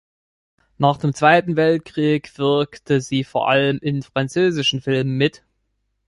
Nach dem Zweiten Weltkrieg wirkte sie vor allem in französischen Filmen mit.